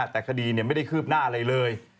แต่คดีไม่ได้คืบหน้าอะไรเลย